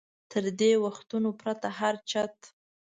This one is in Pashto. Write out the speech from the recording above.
تر دې وختونو پرته هر چت.